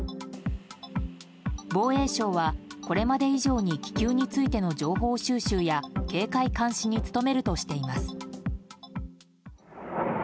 防衛省はこれまで以上に気球についての情報収集や警戒監視に努めるとしています。